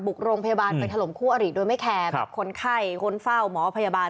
โรงพยาบาลไปถล่มคู่อริโดยไม่แคร์แบบคนไข้คนเฝ้าหมอพยาบาล